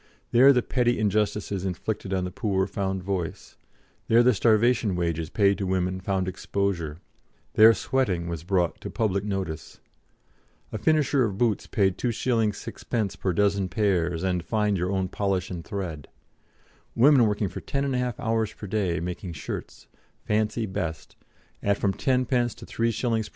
There the petty injustices inflicted on the poor found voice; there the starvation wages paid to women found exposure; there sweating was brought to public notice. A finisher of boots paid 2s. 6d. per dozen pairs and "find your own polish and thread"; women working for 10 1/2 hours per day, making shirts "fancy best" at from 10d. to 3s.